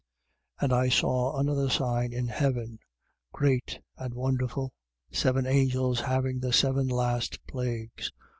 15:1. And I saw another sign in heaven, great and wonderful: seven angels having the seven last plagues.